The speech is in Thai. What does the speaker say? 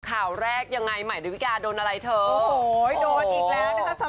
ข่าวแรกยังไงใหม่ดาวิกาโดนอะไรเถอะ